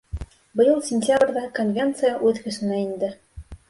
Быйыл сентябрҙә конвенция үҙ көсөнә инде.